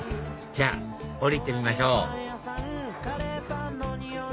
じゃあ降りてみましょう